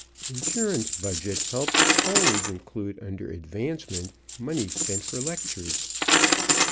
Insurance budget helps always include under "Advancement" money spent for lectures.